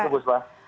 itu bu soehba